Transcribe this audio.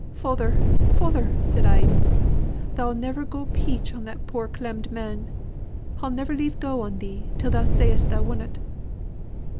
'Father, father!' said I. 'Thou'll never go peach on that poor clemmed man. I'll never leave go on thee, till thou sayst thou wunnot.